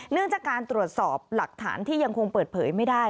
เรื่องจากการตรวจสอบหลักฐานที่ยังคงเปิดเผยไม่ได้